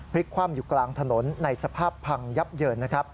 พริกคว่ำอยู่กลางถนนในสภาพพังยับเยิ่น